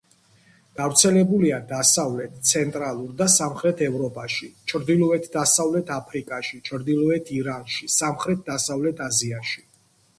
გავრცელებულია დასავლეთ, ცენტრალურ და სამხრეთ ევროპაში, ჩრდილოეთ-დასავლეთ აფრიკაში, ჩრდილოეთ ირანში, სამხრეთ-დასავლეთ აზიაში.